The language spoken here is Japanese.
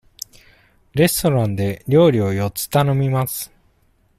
レストランで料理を四つ頼みます。